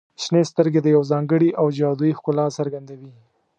• شنې سترګې د یو ځانګړي او جادويي ښکلا څرګندوي.